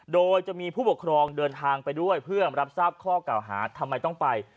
โดยจะมีผู้ปกครองเดินทางไปด้วยเพื่อรับทราบข้อเก่าหาทำไมต้องไป